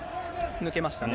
抜けましたね。